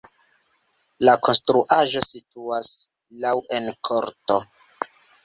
La konstruaĵo situas laŭ en korto.